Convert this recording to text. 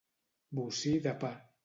Bocí de pa.